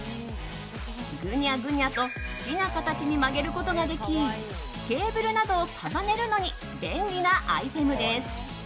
グニャグニャと好きな形に曲げることができケーブルなどを束ねるのに便利なアイテムです。